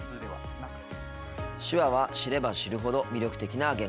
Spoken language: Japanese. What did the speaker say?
手話は、知れば知るほど魅力的な言語です。